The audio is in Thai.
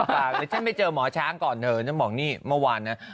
ฉันไม่เจอหมอช้างก่อนเธอฉันบอกนี่เมื่อวานนะ